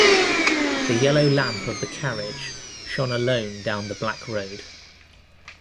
The yellow lamp of the carriage shone alone down the black road.